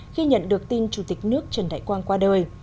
khi nhận được tin chủ tịch nước trần đại quang qua đời